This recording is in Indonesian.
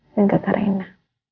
dan kakak reina